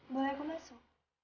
boleh aku masuk